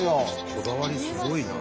こだわりすごいな。